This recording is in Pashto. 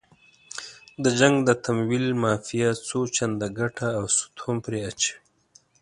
د جنګ د تمویل مافیا څو چنده ګټه او سود هم پرې اچوي.